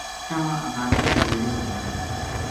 تنہاں آبادی کے نیڑے ہو گیا